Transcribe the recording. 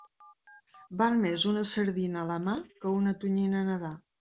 Val més una sardina a la mà que una tonyina nedar.